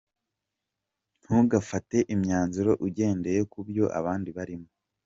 Ntugafate imyanzuro ugendeye kubyo abandi barimo.